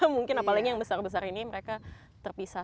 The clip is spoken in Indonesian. mungkin apalagi yang besar besar ini mereka terpisah